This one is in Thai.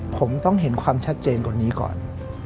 ผมต้องเห็นความชัดเจนกว่านี้ก่อน